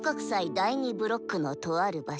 第２ブロックのとある場所